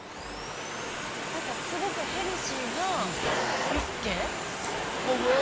何かすごくヘルシーなユッケ。